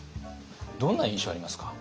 どんな印象ありますか？